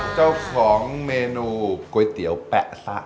เจ้าของเมนูก๋วยเตี๋ยวแปะสะ